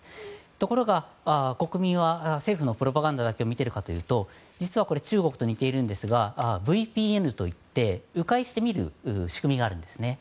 ところが、国民は政府のプロパガンダだけを見ているかというと実は中国と似ているんですがＶＰＮといって、迂回して見る仕組みがあるんです。